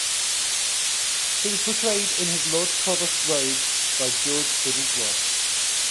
He was portrayed in his Lord Provost robes by George Fiddes Watt.